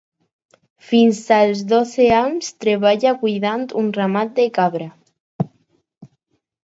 Fins als dotze anys treballà cuidant un ramat de cabra.